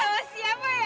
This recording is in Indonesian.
sama siapa ya